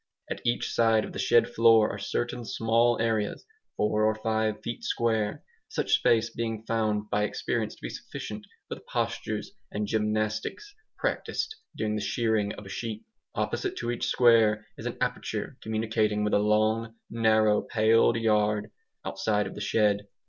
At each side of the shed floor are certain small areas, four or five feet square, such space being found by experience to be sufficient for the postures and gymnastics practised during the shearing of a sheep. Opposite to each square is an aperture, communicating with a long narrow paled yard, outside of the shed.